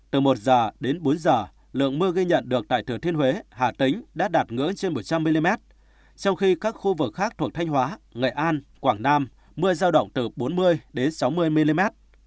từ một giờ đến bốn h lượng mưa ghi nhận được tại thừa thiên huế hà tĩnh đã đạt ngưỡng trên một trăm linh mm trong khi các khu vực khác thuộc thanh hóa nghệ an quảng nam mưa giao động từ bốn mươi đến sáu mươi mm